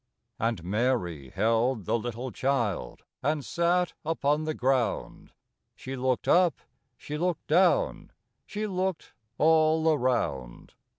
And Mary held the little child And sat upon the ground; She looked up, she looked down, She looked all around.